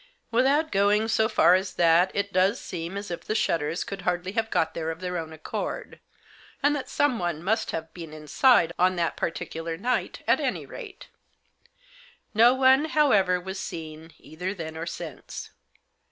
" Without going so far as that, it does seem as if the shutters could hardly have got there of their own accord, and that someone must have been inside on that particular night, at any rate. No one, however, was seen, either then or since.